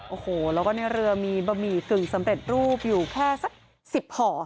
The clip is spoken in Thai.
โอ้โหแล้วก็ในเรือมีบะหมี่กึ่งสำเร็จรูปอยู่แค่สัก๑๐ห่อ